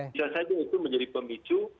bisa saja itu menjadi pemicu